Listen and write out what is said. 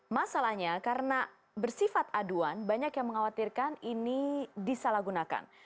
masalahnya karena bersifat aduan banyak yang mengkhawatirkan ini disalahgunakan